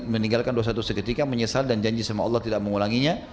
meninggalkan dosa dosa ketika menyesal dan janji sama allah tidak mengulanginya